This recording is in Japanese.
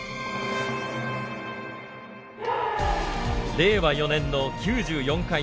令和４年の９４回大会。